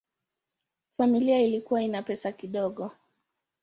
Familia ilikuwa ina pesa kidogo.